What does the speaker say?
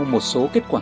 theo một số kết quả